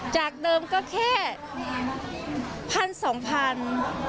จากเดิมก็แค่๑๐๐๐๒๐๐๐บาท